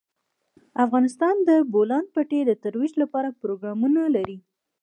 افغانستان د د بولان پټي د ترویج لپاره پروګرامونه لري.